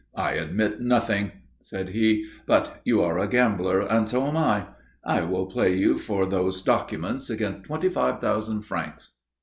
"I admit nothing," said he. "But you are a gambler and so am I. I will play you for those documents against twenty five thousand francs."